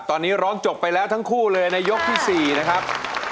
ตอนนี้ร้องจบไปแล้วทั้งคู่เลยในยกที่๔นะครับ